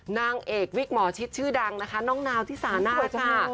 นางเอกวิกหมอชิดชื่อดังนะคะน้องนาวที่สาน่าค่ะ